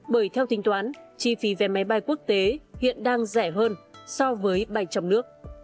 bởi theo tính toán chi phí vé máy bay quốc tế hiện đang rẻ hơn so với bay trong nước